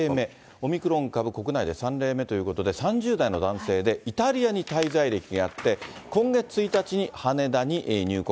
オミクロン株、国内で３例目ということで、３０代の男性で、イタリアに滞在歴があって、今月１日に羽田に入国。